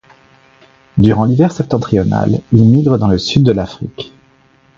Durant l'hiver septentrional, il migre dans le sud de l'Afrique.